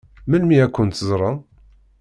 Melmi ad kent-ẓṛen?